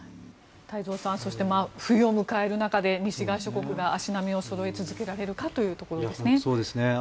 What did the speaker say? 太蔵さんそして、冬を迎える中で西側諸国が足並みをそろえ続けられるかというところですね。